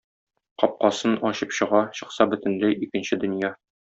Капкасын ачып чыга, чыкса - бөтенләй икенче дөнья.